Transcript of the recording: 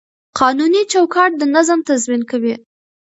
قانوني چوکاټ د نظم تضمین کوي.